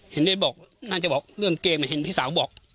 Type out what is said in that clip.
เห็นได้บอกน่าจะบอกเรื่องเกมเห็นพี่สาวบอก